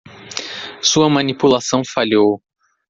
Sua manipulação falhou.